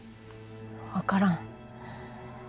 わからん。